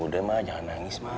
udah ma jangan nangis ma